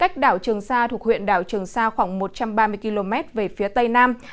trường sa thuộc huyện đảo trường sa khoảng một trăm ba mươi km về phía tây nam